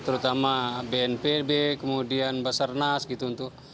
terutama bnpb kemudian basarnas gitu untuk